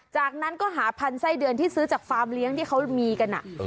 จากนั้นก็หาพันธุ์ไส้เดือนที่ซื้อจากฟาร์มเลี้ยงที่เขามีกัน